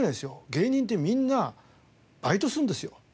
芸人ってみんなバイトするんですよ